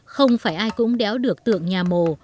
không phải ai cũng đéo được tượng nhà mồ